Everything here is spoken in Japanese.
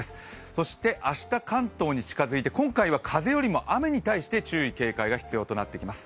そして明日、関東に近づいて今回は風よりも雨に対して注意・警戒が必要となってきます。